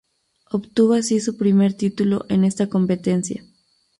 Obtuvo así su primer título en esta competencia.